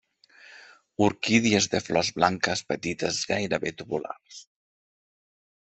Orquídies de flors blanques petites gairebé tubulars.